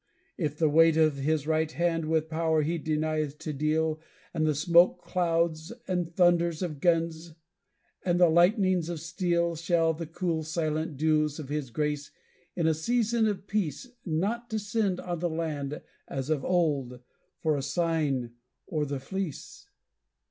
"If with weight of his right hand, with power, he denieth to deal, And the smoke clouds, and thunders of guns, and the lightnings of steel, Shall the cool silent dews of his grace, in a season of peace, Not descend on the land, as of old, for a sign, on the fleece?